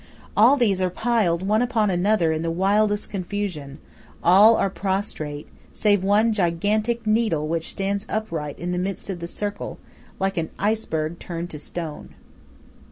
All these are piled one upon another in the wildest confusion; all are prostrate, save one gigantic needle which stands upright in the midst of the circle, like an iceberg turned to stone.